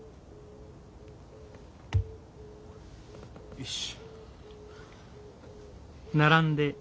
よし。